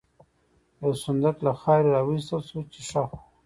یو صندوق له خاورې را وایستل شو، چې ښخ و.